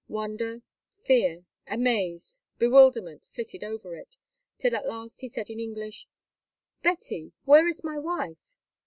Wonder, fear, amaze, bewilderment, flitted over it, till at last he said in English: "Betty, where is my wife?"